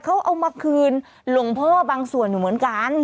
เขาเอามาคืนหลวงพ่อบางส่วนอยู่เหมือนกัน